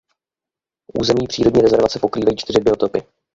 Území přírodní rezervace pokrývají čtyři biotopy.